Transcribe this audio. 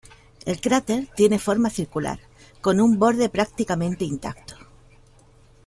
El cráter tiene forma circular, con un borde prácticamente intacto.